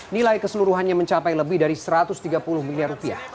nilai keseluruhannya mencapai lebih dari satu ratus tiga puluh miliar